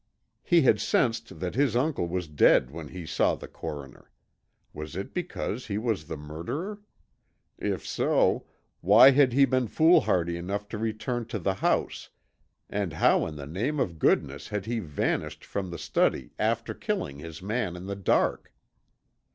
He had sensed that his uncle was dead when he saw the coroner. Was it because he was the murderer? If so, why had he been foolhardy enough to return to the house, and how in the name of goodness had he vanished from the study after killing his man in the dark!